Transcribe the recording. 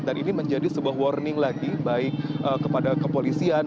dan ini menjadi sebuah warning lagi baik kepada kepolisian